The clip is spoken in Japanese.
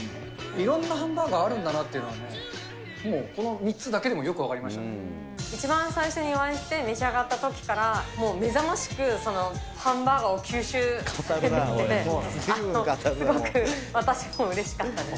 いろんなハンバーガーあるんだなっていうのがね、もうこの３つだけでも一番最初にお会いして、召し上がったときから、もう目覚ましく、ハンバーガーを吸収されてて、すごく私もうれしかったです。